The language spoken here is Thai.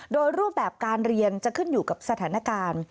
โดยรูปแบบการเรียนจะขึ้นอยู่กับสถานการณ์